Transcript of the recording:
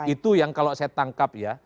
itu yang kalau saya tangkap ya